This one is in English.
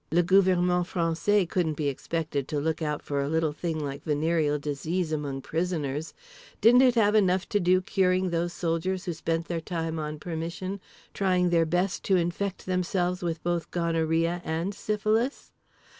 Le gouvernement français couldn't be expected to look out for a little thing like venereal disease among prisoners: didn't it have enough to do curing those soldiers who spent their time on permission trying their best to infect themselves with both gonorrhea and syphilis?